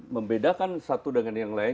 membedakan satu dengan yang lain